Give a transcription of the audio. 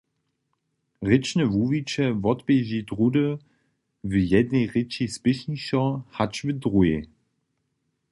Rěčne wuwiće wotběži druhdy w jednej rěči spěšnišo hač w druhej.